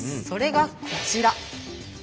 それがこちら。